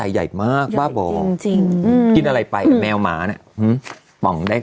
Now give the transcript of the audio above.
ใหญ่มากเลย